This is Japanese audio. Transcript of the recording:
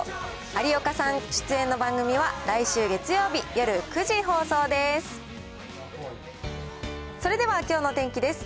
有岡さん出演の番組は来週月曜日夜９時放送です。